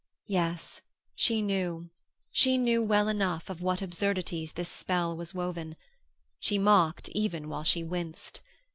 Yes, she knew, she knew well enough, of what absurdities this spell was woven; she mocked, even while she winced.